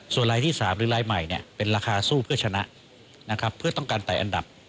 ส่วนลายที่๓หรือรายใหม่เป็นราคาสู้เพื่อชนะนะครับเพื่อต้องการไต่อันดับ